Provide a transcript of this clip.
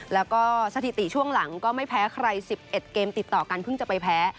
แล้วก็สถิติช่วงหลังก็ไม่แพ้ใคร๑๑เกมติดต่อกันเพิ่งจะไปแพ้